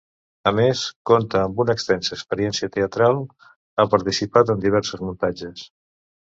A més, compta amb una extensa experiència teatral: ha participat en diversos muntatges.